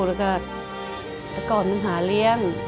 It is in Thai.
แล้วก็ต้องก่อนมันหาเลี้ยง